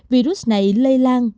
virus này lây lan